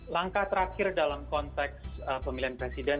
langkah terakhir dalam konteks pemilihan presiden